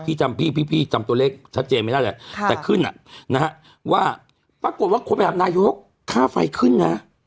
พี่จำพี่จำตัวเลขชัดเจนไม่ได้แหละแต่ขึ้นน่ะว่าปรากฏว่าของแบบนายกค่าไฟขึ้นแหละ